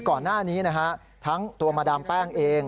ก่อนหน้านี้นะฮะทั้งตัวมาดามแป้งเอง